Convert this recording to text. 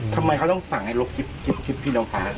ทำไมเขาต้องสั่งให้ลบคลิปคลิปพี่น้ำฟ้า